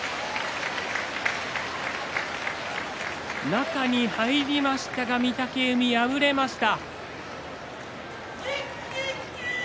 中に入りましたが御嶽海敗れました。